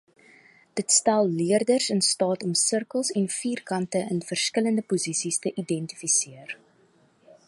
Dit stel leerders in staat om sirkels en vierkante in verskillende posisies te identifiseer.